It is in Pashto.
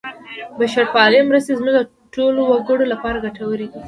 بشرپالې مرستې زموږ د ټولو وګړو لپاره ګټورې وې.